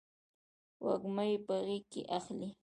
وږمه یې په غیږ کې اخلې